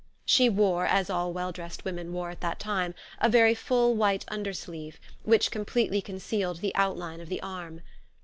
She wore, as all well dressed women wore at that time, a very full white undersleeve, which completely concealed the outline of the arm.